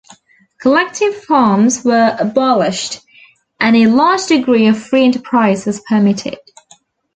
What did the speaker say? Collective farms were abolished, and a large degree of free enterprise was permitted.